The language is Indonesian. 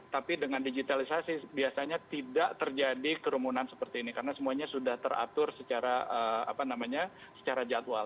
tapi dengan digitalisasi biasanya tidak terjadi kerumunan seperti ini karena semuanya sudah teratur secara jadwal